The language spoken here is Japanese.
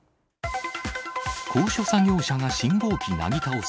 高所作業車が信号機なぎ倒す。